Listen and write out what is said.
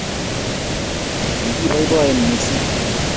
Kigiboeboen missing